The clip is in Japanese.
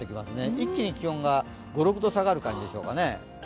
一気に気温が５６度下がる感じでしょうか。